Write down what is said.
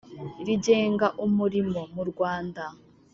rigenga umurimo mu Rwanda